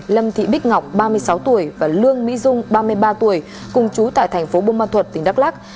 lâm thị bích ngọc ba mươi sáu tuổi và lương mỹ dung ba mươi ba tuổi cùng chú tại tp bumma thuật tỉnh đắk lắc